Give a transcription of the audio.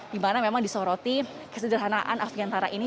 dimana memang disoroti kesederhanaan afiantara ini